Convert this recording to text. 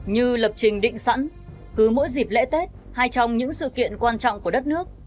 như lập trình định sẵn cứ mỗi dịp lễ tết hai trong những sự kiện quan trọng của đất nước